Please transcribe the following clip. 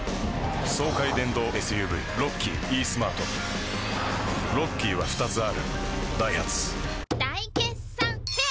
爽快電動ＳＵＶロッキーイースマートロッキーは２つあるダイハツ大決算フェア